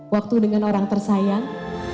waktu dengan orang tersayang